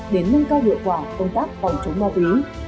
để nâng cao hiệu quả công tác phòng chống ma túy